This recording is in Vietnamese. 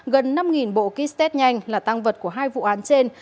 gần năm bộ kit test nhanh là tăng vật của hai vụ án trên